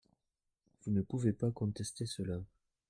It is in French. Vous ne pouvez pas contester cela